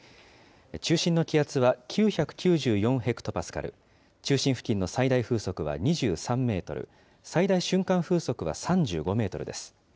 中心の気圧は９９４ヘクトパスカル、中心付近の最大風速は２３メートル、最大瞬間風速は３５メートルです。